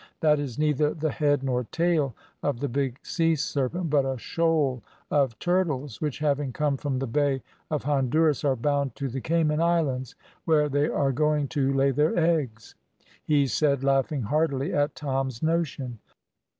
"That is neither the head nor tail of the big sea serpent, but a shoal of turtles, which having come from the Bay of Honduras, are bound for the Cayman Islands, where they are going to lay their eggs?" he said, laughing heartily at Tom's notion.